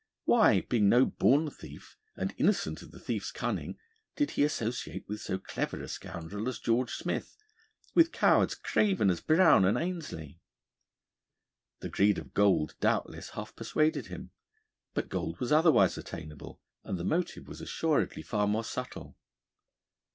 Why, being no born thief, and innocent of the thief's cunning, did he associate with so clever a scoundrel as George Smith, with cowards craven as Brown and Ainslie? The greed of gold, doubtless, half persuaded him, but gold was otherwise attainable, and the motive was assuredly far more subtle.